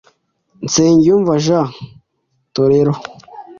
Nsengiyumva Jean Torero